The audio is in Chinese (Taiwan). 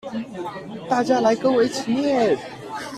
大家來跟我一起念